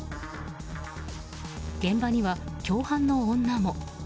現場には共犯の女も。